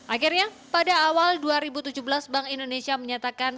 akhirnya pada awal dua ribu tujuh belas bank indonesia menyatakan